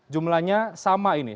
jumlahnya sama ini